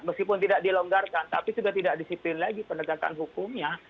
meskipun tidak dilonggarkan tapi sudah tidak disiplin lagi penegakan hukumnya